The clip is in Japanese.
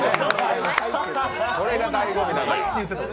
これがだいご味なのよ。